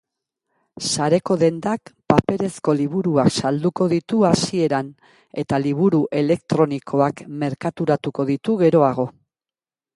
Sareko dendak paperezko liburuak salduko ditu hasieran eta liburu elektronikoak merkaturatuko ditu geroago.